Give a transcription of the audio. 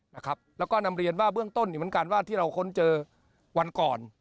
นะครับแล้วก็นำเรียนว่าเบื้องต้นอีกเหมือนกันว่าที่เราค้นเจอวันก่อน